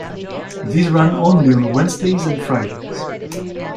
These run only on Wednesdays and Fridays.